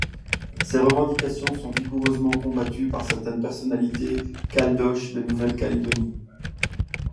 Ces revendications sont vigoureusement combattues par certaines personnalités caldoches de Nouvelle-Calédonie.